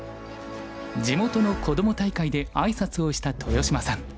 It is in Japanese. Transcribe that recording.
地元のこども大会で挨拶をした豊島さん。